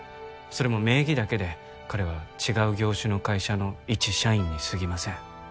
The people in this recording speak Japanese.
それも名義だけで彼は違う業種の会社の一社員にすぎません